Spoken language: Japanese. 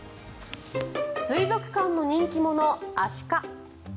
水族館の人気者、アシカ。